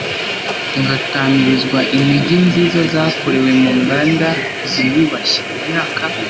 ngatamirizwa inigi nziza zakorewe mu nganda ziyubashye. imyaka